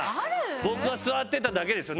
僕は座ってただけですよ